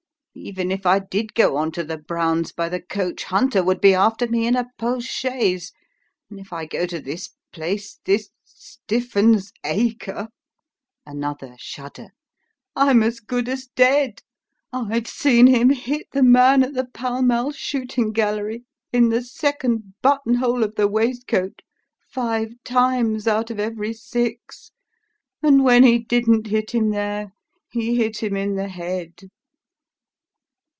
Even if I did go on to the Browns' by the coach, Hunter would be after me in a post chaise ; and if I go to this place, this Stiffun's Acre (another shudder), I'm as good as dead. I've seen him hit the man at the Pall Mall shooting gallery, in the second button hole of the waistcoat, five times' out of every six, and when he didn't hit him there, he hit him in the head."